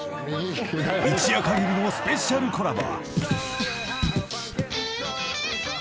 一夜限りのスペシャルコラボ］